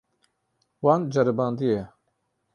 Wan ceribandiye.